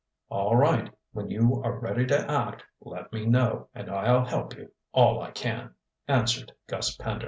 "All right; when you are ready to act, let me know, and I'll help you all I can," answered Gus Pender.